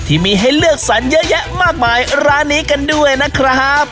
ที่มีให้เลือกสรรเยอะแยะมากมายร้านนี้กันด้วยนะครับ